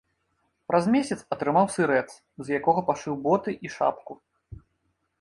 Праз месяц атрымаў сырэц, з якога пашыў боты і шапку.